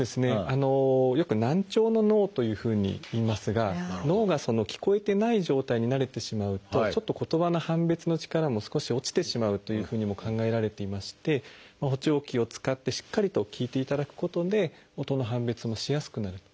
よく「難聴の脳」というふうにいいますが脳が聞こえてない状態に慣れてしまうとちょっと言葉の判別の力も少し落ちてしまうというふうにも考えられていまして補聴器を使ってしっかりと聞いていただくことで音の判別もしやすくなると。